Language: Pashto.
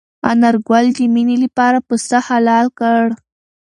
انارګل د مېنې لپاره پسه حلال کړ.